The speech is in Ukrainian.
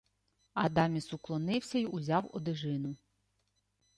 Адаміс уклонився й узяв одежину.